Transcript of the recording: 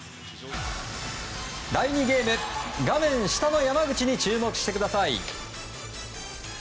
第２ゲーム、画面下の山口に注目してください。